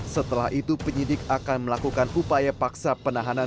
setelah itu penyidik akan melakukan upaya paksa penahanan